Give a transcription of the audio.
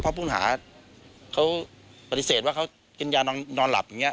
เขาผู้หาเค้าปฏิเสริฆว่าเค้ากินยานอนหลับอย่างนี้